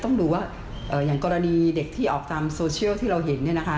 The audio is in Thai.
ต้องดูว่าเอ่ออย่างกรณีเด็กที่ออกตามที่เราเห็นเนี้ยนะคะ